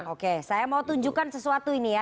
oke saya mau tunjukkan sesuatu ini ya